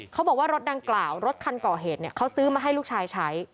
เขาบอกว่ารถดังกล่าวรถคันก่อเหตุเขาซื้อมาให้ลูกชายใช้